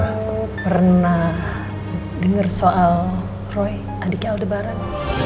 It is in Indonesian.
aku pernah dengar soal roy adiknya aldebaran